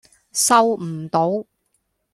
收唔到